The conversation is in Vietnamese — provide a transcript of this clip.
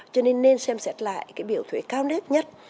cho nên nên xem xét lại cái biểu thuế cao đẹp nhất